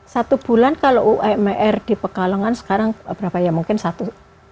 satu bulan kalau umr di pekalongan sekarang berapa ya mungkin satu